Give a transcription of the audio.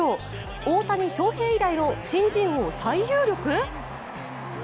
大谷翔平以来の新人王最有力？